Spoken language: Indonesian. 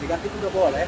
dikasih itu udah boleh